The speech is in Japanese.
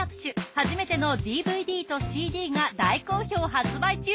初めてのＤＶＤとＣＤが大好評発売中！